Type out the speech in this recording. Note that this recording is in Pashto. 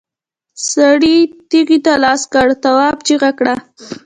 سړي تېږې ته لاس کړ، تواب چيغه کړه!